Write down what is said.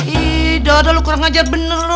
ih dada lo kurang ajar bener lo